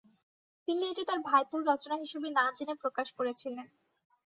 তিনি এটি তার ভাইপোর রচনা হিসাবে না জেনে প্রকাশ করেছিলেন।